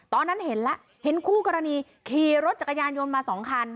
ตอนนั้นเห็นแล้วเห็นคู่กรณีขี่รถจักรยานยนต์มาสองคัน